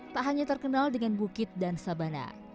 tak hanya terkenal dengan bukit dan sabana